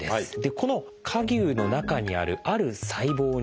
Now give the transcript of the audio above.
この蝸牛の中にあるある細胞に注目します。